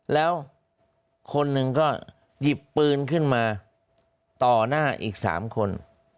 แล้วคนหนึ่งก็หยิบปืนขึ้นมาต่อหน้าอีก๓คน